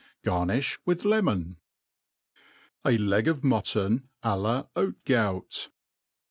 Garniih with lemon. , t • A Leg of Mktton a la Haut GoAt.